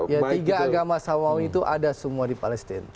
ya tiga agama samawi itu ada semua di palestina